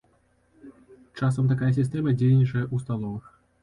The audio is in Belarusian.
Часам такая сістэма дзейнічае ў сталовых.